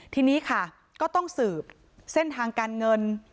ทีนี้ค่ะก็ต้องสืบเส้นทางการเงิน